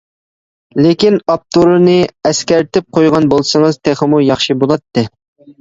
لېكىن ئاپتورىنى ئەسكەرتىپ قويغان بولسىڭىز تېخىمۇ ياخشى بولاتتى.